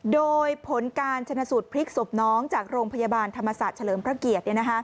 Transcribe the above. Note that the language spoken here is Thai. โดยผลการชนะสูตรพลิกศพน้องจากโรงพยาบาลธรรมศาสตร์เฉลิมพระเกียรติ